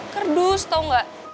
kerdus tau gak